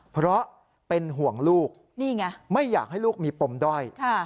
เพราะเป็นห่วงลูกนี่ไงไม่อยากให้ลูกมีปมด้อย